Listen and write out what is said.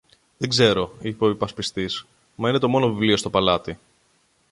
Δεν ξέρω, είπε ο υπασπιστής, μα είναι το μόνο βιβλίο στο παλάτι.